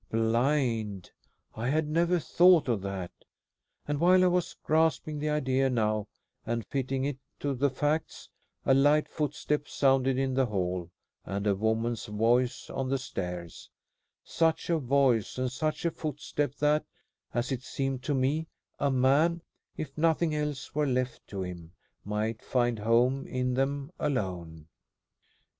Blind! I had never thought of that; and while I was grasping the idea now, and fitting it to the facts, a light footstep sounded in the hall, and a woman's voice on the stairs; such a voice and such a footstep that, as it seemed to me, a man, if nothing else were left to him, might find home in them alone.